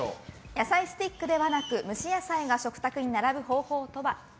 野菜スティックではなく蒸し野菜が食卓並ぶ方法は？